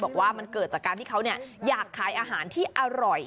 บอกว่ามันเกิดจากการที่เขาอยากขายอาหารที่อร่อย